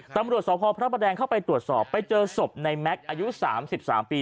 ตำรวจสพพระประแดงเข้าไปตรวจสอบไปเจอศพในแม็กซ์อายุ๓๓ปี